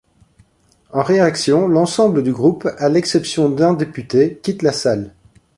En réaction, l'ensemble du groupe, à l'exception d'un député, quitte la salle.